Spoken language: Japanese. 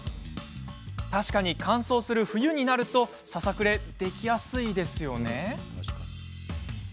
確かに、乾燥する冬になるとささくれ、できやすいですもんね。